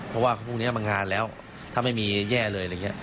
เพราะว่าพรุ่งนี้มันงานแล้วถ้าไม่มีแย่เลยอะไรอย่างนี้